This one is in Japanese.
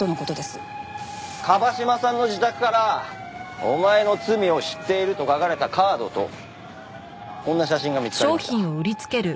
椛島さんの自宅から「お前の罪を知っている」と書かれたカードとこんな写真が見つかりました。